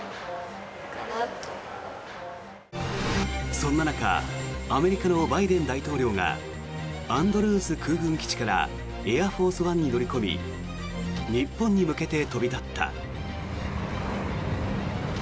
そんな中アメリカのバイデン大統領がアンドルーズ空軍基地からエアフォース・ワンに乗り込み日本に向けて飛び立った。